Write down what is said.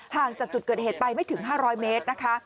ห่างจากจุดเกิดเหตุไปไม่ถึง๕๐๐เมตรนะคะ